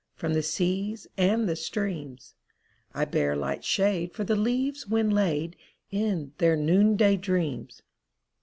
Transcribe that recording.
From the seas and the streams; I bear Ught shade for the leaves when laid In their noonday dreams.